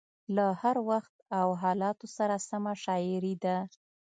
له هر وخت او حالاتو سره سمه شاعري ده.